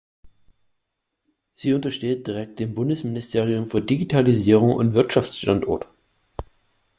Sie untersteht direkt dem Bundesministerium für Digitalisierung und Wirtschaftsstandort.